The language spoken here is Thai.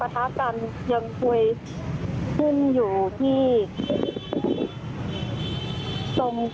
เพราะตอนนี้ก็ไม่มีเวลาให้เข้าไปที่นี่